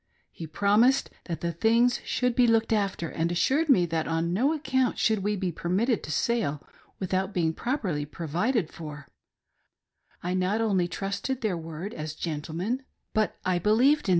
He promised that the things should be looked after, and assured me that on no account should we be permitted to sail without being properly provided fon I not only trusted their word as gentlemen but I believed in 1/4 HOW MR. TENANT .LOST HIS MONEY.